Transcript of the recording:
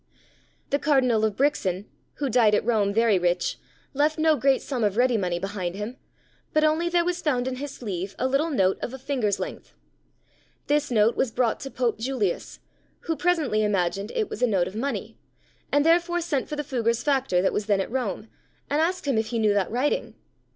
The Cardinal of Brixen, who died at Rome very rich, left no great sum of ready money behind him, but only there was found in his sleeve a little note of a finger's length. This note was brought to Pope Julius, who presently imagined it was a note of money, and therefore sent for the Fuggars' factor that was then at Rome, and asked him if he knew that writing.